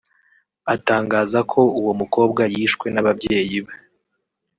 atangaza ko uwo mukobwa yishwe n’ababyeyi be